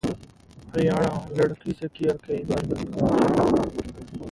हरियाणा: लड़की से किया कई बार बलात्कार